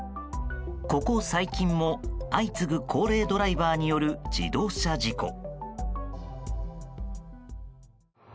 ここ最近も相次ぐ高齢ドライバーによる自動車事故。